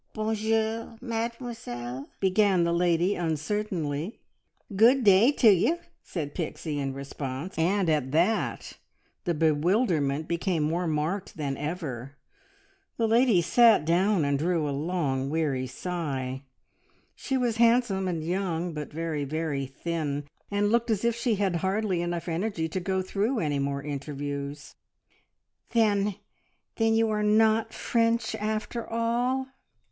"Bon jour, mademoiselle!" began the lady uncertainly. "Good day to ye!" said Pixie in response, and at that the bewilderment became more marked than ever. The lady sat down and drew a long, weary sigh. She was handsome and young, but very, very thin, and looked as if she had hardly enough energy to go through any more interviews. "Then then you are not French after all?"